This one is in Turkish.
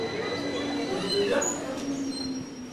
Bizi duyuyor musun?